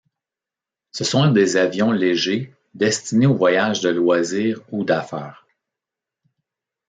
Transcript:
Ce sont des avions légers destinés aux voyages de loisir ou d'affaires.